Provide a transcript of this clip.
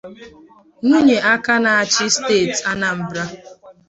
Nwunye aka na-achị steeti Anambra